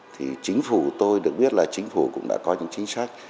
thì chính phủ tôi được biết là chính phủ cũng đã có những chính sách